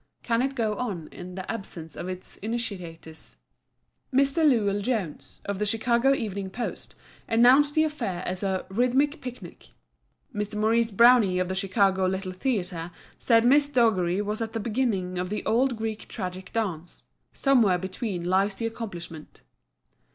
Can it go on in the absence of its initiators? Mr. Lewellyn Jones, of the Chicago Evening Post, announced the affair as a "rhythmic picnic". Mr. Maurice Browne of the Chicago Little Theatre said Miss Dougherty was at the beginning of the old Greek Tragic Dance. Somewhere between lies the accomplishment.